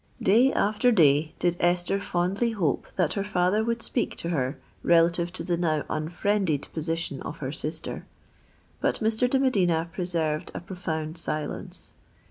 Day after day did Esther fondly hope that her father would speak to her relative to the now unfriended position of her sister; but Mr. de Medina preserved a profound silence.